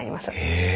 へえ。